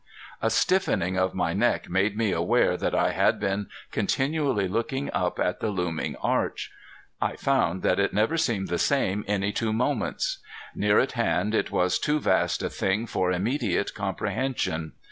A stiffening of my neck made me aware that I had been continually looking up at the looming arch. I found that it never seemed the same any two moments. Near at hand it was too vast a thing for immediate comprehension.